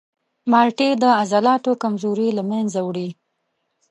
مالټې د عضلاتو کمزوري له منځه وړي.